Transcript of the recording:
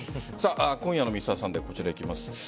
今夜の「Ｍｒ．サンデー」はこちら、いきます。